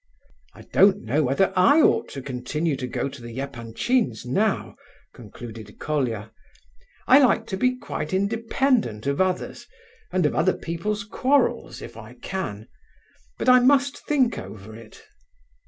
I don't know whether I ought to continue to go to the Epanchins' now," concluded Colia—"I like to be quite independent of others, and of other people's quarrels if I can; but I must think over it."